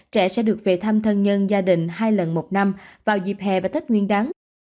trẻ sẽ được về thăm thân nhân gia đình hai lần một năm vào dịp hè và tết nguyên đáng